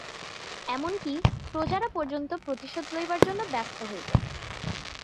এমন কি, প্রজারা পর্যন্ত প্রতিশোধ লইবার জন্য ব্যস্ত হইল।